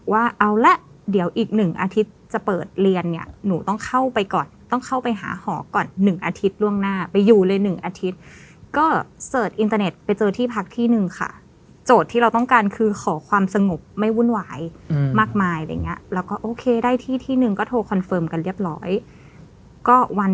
ว่าเอาละเดี๋ยวอีกหนึ่งอาทิตย์จะเปิดเรียนเนี่ยหนูต้องเข้าไปก่อนต้องเข้าไปหาหอก่อน๑อาทิตย์ล่วงหน้าไปอยู่เลย๑อาทิตย์ก็เสิร์ชอินเตอร์เน็ตไปเจอที่พักที่หนึ่งค่ะโจทย์ที่เราต้องการคือขอความสงบไม่วุ่นวายมากมายอะไรอย่างเงี้ยแล้วก็โอเคได้ที่ที่หนึ่งก็โทรคอนเฟิร์มกันเรียบร้อยก็วัน